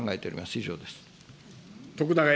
以上です。